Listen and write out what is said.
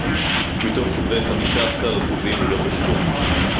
מתוך זה חמישה עשר אחוזים ללא תשלום